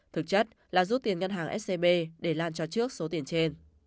thực chất là rút tiền ngân hàng scb để lan cho trước số tiền trên